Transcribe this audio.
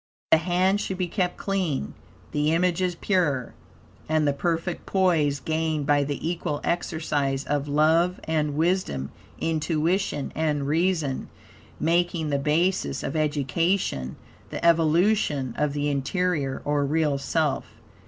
The hands should be kept clean, the images pure; and the perfect poise gained by the equal exercise of love and wisdom, intuition and reason, making the basis of education; the evolution of the interior or real self.